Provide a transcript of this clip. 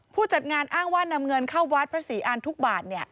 ผู้จัดงานอ้างว่านำเงินเข้าวัดพระศรีอ่านทุกบาท